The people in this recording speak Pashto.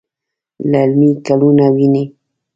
للمي ګلونه ویني